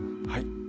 はい。